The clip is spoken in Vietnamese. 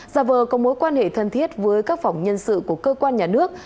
giả vờ có mối quan hệ thân thiết với các phòng nhân sự của cơ quan nhà nước